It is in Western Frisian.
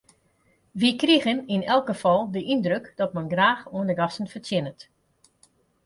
Wy krigen yn elk gefal de yndruk dat men graach oan de gasten fertsjinnet.